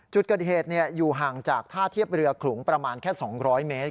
จุดเกิดเหตุอยู่ห่างจากท่าเทียบเรือขลุงประมาณแค่๒๐๐เมตร